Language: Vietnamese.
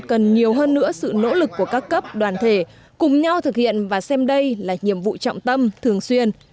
cần nhiều hơn nữa sự nỗ lực của các cấp đoàn thể cùng nhau thực hiện và xem đây là nhiệm vụ trọng tâm thường xuyên